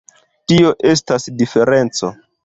Tio estas diferenco.